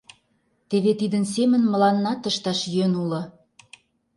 Теве тидын семын мыланнат ышташ йӧн уло.